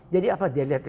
jadi apa dia lihat